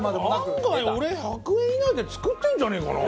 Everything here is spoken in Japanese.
案外俺１００円以内で作ってるんじゃねえかな？